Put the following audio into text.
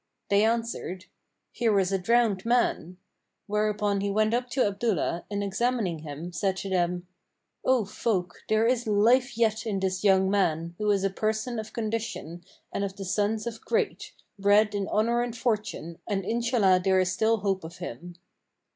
They answered, "Here is a drowned man;" whereupon he went up to Abdullah and examining him, said to them, "O folk, there is life yet in this young man, who is a person of condition and of the sons of the great, bred in honour and fortune, and Inshallah there is still hope of him."